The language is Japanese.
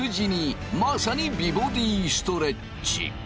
まさに美ボディストレッチ。